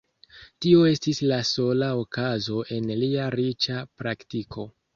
Tio estis la sola okazo en lia riĉa praktiko.